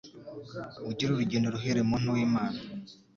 Ugire urugendo ruhire muntu w' Imana